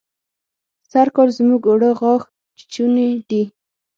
سرکال زموږ اوړه غاښ چيچوني دي.